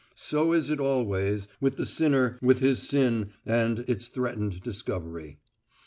So is it always with the sinner with his sin and its threatened discovery.